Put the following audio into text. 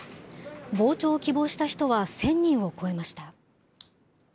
傍聴を希望した人は１０００人を超えました。